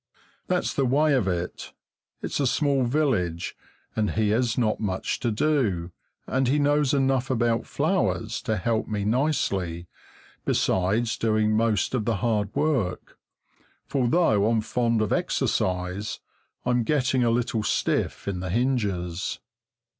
That's the way of it. It's a small village and he has not much to do, and he knows enough about flowers to help me nicely, besides doing most of the hard work; for though I'm fond of exercise, I'm getting a little stiff in the hinges.